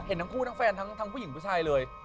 เห็นทั้งคู่ทั้งแฟนทั้งผู้หญิงผู้ชายเลย